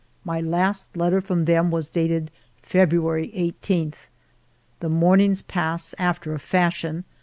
My last letter from them was dated February 18. The mornings pass after a fashion.